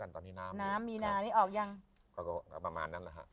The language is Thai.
ก็ประมาณนั้นนะฮะ